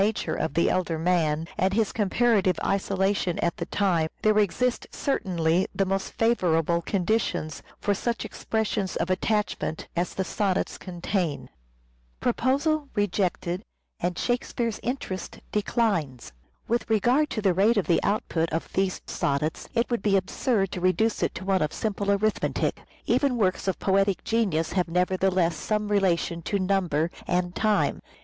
nature of the elder man, and his comparative isolation at the time, there exist certainly the most favourable conditions for such expressions of attachment as the sonnets contain. With regard to the rate of the output of these Proposal sonnets, it would be absurd to reduce it to one of simple arithmetic. Even works of poetic genius have speare's " nevertheless some relation to number and time.